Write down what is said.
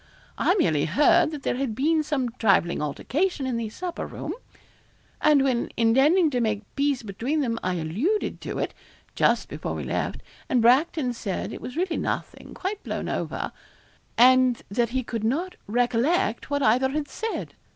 I merely heard that there had been some trifling altercation in the supper room; and when, intending to make peace between them, I alluded to it, just before we left, and Bracton said it was really nothing quite blown over and that he could not recollect what either had said.